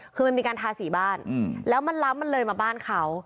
คือมันมีการทาสีบ้านแล้วมันล้ำมันเลยมาบ้านเขา